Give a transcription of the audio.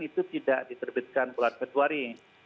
itu tidak diterbitkan bulan februari